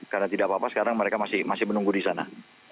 karena tidak apa apa sekarang mereka masih menunggu di sana